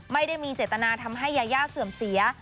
ไม่ได้มีเจตนาทำให้ยายาเสื่อมเสีย